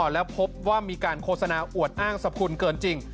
แล้วพบว่ามีการโฆษณาอวดอ้างสรรพคุณเกินจริง